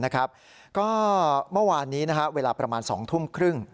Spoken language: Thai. ก็เมื่อวานนี้เวลาประมาณ๒ทุ่มครึ่ง